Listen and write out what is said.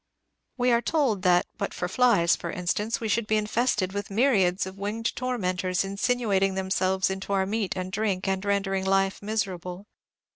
We are told that but for flies, for instance, we should be infested with myriads of winged tormentors, insinuating themselves into our meat and drink, and rendering life miserable.